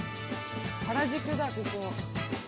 原宿だ、ここ。